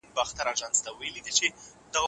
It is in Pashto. ایا تاسو غواړئ چې د مصنوعي ذکاوت په اړه ډېر پوه شئ؟